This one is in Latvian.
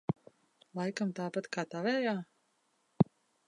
Laikam tāpat kā tavējā?